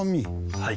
はい。